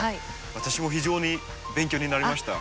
私も非常に勉強になりました。